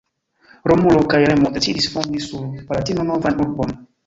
Romulo kaj Remo decidis fondi sur Palatino novan urbon.